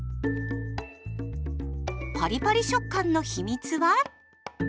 パリパリ食感の秘密は？